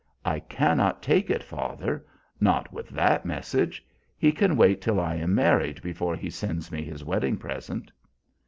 "I cannot take it, father. Not with that message. He can wait till I am married before he sends me his wedding present."